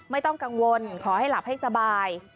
ไม่ต้องกังวลขอให้หลับให้สบาย